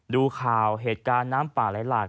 ดูข่าวเหตุการณ์น้ำป่าไหลหลาก